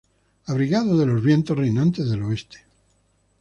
Abrigado de los vientos reinantes del oeste.